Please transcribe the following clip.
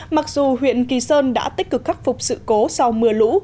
mặc dù huyện kỳ sơn đã tích cực khắc phục sự cố sau mưa lũ